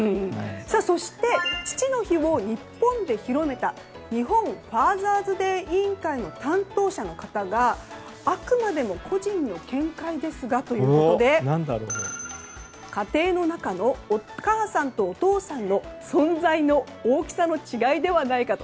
そして父の日を日本で広めた日本ファーザーズ・デイ委員会の担当者の方があくまで個人の見解ですがということで家庭の中のお母さんとお父さんの存在の大きさの違いではないかと。